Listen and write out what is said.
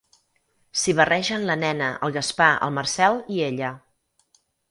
S'hi barregen la nena, el Gaspar, el Marcel i ella.